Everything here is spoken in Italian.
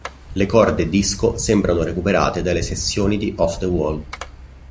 Le corde Disco sembrano recuperate dalle sessioni di Off The Wall.